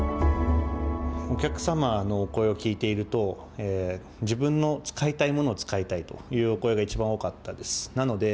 お客様のお声を聞いていると自分の使いたいものを使いたいというお声が一番多かったです。